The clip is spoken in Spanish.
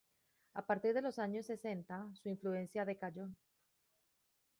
A partir de los años sesenta su influencia decayó.